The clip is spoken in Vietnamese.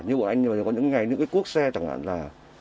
như bọn anh có những ngày những cái cuốc xe chẳng hạn là